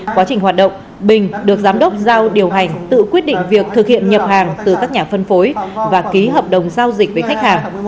quá trình hoạt động bình được giám đốc giao điều hành tự quyết định việc thực hiện nhập hàng từ các nhà phân phối và ký hợp đồng giao dịch với khách hàng